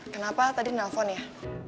kenapa tadi nelfon ya